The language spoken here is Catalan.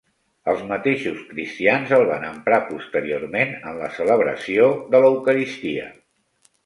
Els mateixos cristians el van emprar posteriorment en la celebració de l'Eucaristia.